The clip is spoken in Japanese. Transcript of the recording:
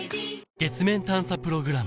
月面探査プログラム